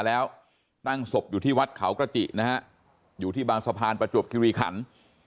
แล้วตั้งศพอยู่ที่วัดเขากระจินะฮะอยู่ที่บางสะพานประจวบคิริขัน